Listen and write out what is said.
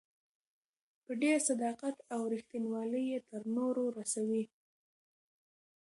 په ډېر صداقت او ريښتينوالۍ يې تر نورو رسوي.